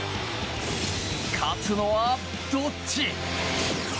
勝つのはどっち？